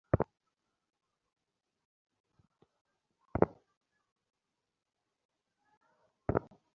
গোপনে একে একে নিম্নতন কর্মচারীদিগকে ডাকিয়া সন্ধান লইতে লাগিল।